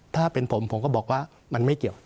ถ้าเป็นผมผมก็บอกว่ามันไม่เกี่ยว